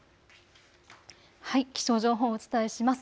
気象情報をお伝えします。